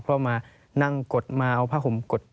เพราะมานั่งกดมาเอาผ้าห่มกด